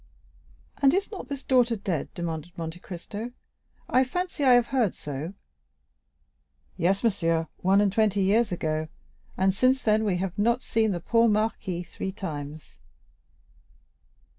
"And is not this daughter dead?" demanded Monte Cristo; "I fancy I have heard so." "Yes, monsieur, one and twenty years ago; and since then we have not seen the poor marquis three times."